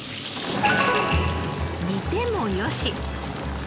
煮てもよし。